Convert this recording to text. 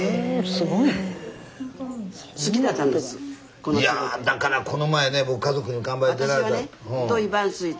いやだからこの前ね僕「家族に乾杯」に出られた。